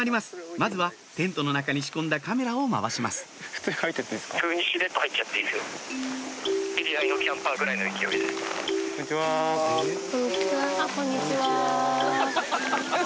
まずはテントの中に仕込んだカメラを回しますこんにちは。ハハハ。